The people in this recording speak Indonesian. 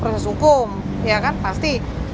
kamilah orang yang mengerti dalam proses hukum